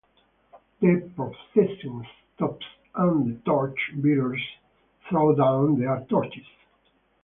The procession stops and the torch-bearers throw down their torches.